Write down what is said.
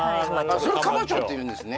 それかまちょっていうんですね